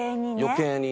余計に。